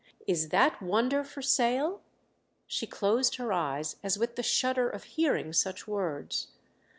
"Is that wonder for sale?" She closed her eyes as with the shudder of hearing such words.